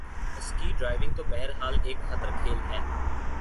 اسک diving تو بہر حال ایک خطر کھیل ہے